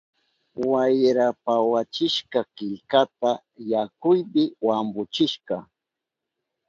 Wayra pawachishka killkata, yakupi wampuchishka.